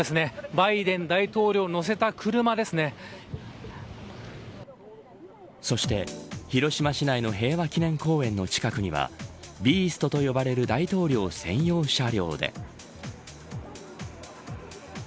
バイデン大統領をそして、広島市内の平和記念公園の近くにはビーストと呼ばれる大統領専用車両で。